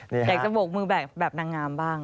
อยากจะโบกมือแบบนางงามบ้าง